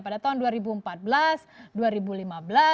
dalam idn grabtel